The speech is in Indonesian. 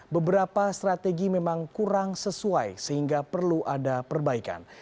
beberapa strategi memang kurang sesuai sehingga perlu ada perbaikan